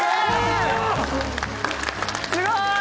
すごい！